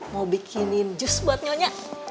mau bikinin jus buat nyonya